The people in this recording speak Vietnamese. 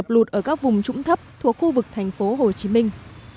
lụt ở các vùng trũng thấp thuộc khu vực thành phố hồ chí minh